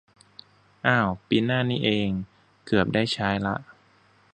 อ้าว ปีหน้านี้เอง เกือบได้ใช้ละ